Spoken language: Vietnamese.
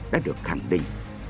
đã được khẳng định